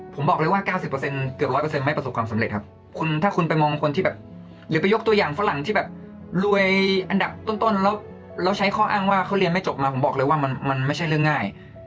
ผมบอกเลยว่า๙๐เกือบ๑๐๐ไม่ประสบความสำเร็จครับคุณถ้าคุณไปมองคนที่แบบหรือไปยกตัวอย่างฝรั่งที่แบบรวยอันดับต้นแล้วใช้ข้ออ้างว่าเขาเรียนไม่จบมาผมบอกเลยว่ามันไม่ใช่เรื่องง่าย